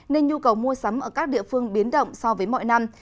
nên nhu cầu mua sắm ở các địa phương biến động so với mọi năm